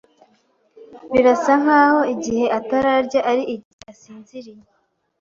Birasa nkaho igihe atarya ari igihe asinziriye.